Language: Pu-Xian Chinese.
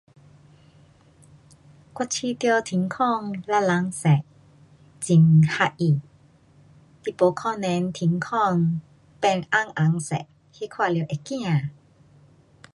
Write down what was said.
我觉得天空蓝蓝色，很合它。你不可能天空变红红色，看了会怕。